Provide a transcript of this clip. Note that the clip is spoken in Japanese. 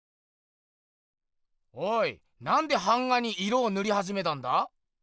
おいなんで版画に色をぬりはじめたんだ？